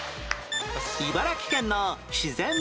茨城県の自然問題